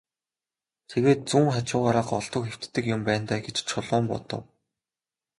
Тэгээд зүүн хажуугаараа голдуу хэвтдэг юм байна даа гэж Чулуун бодов.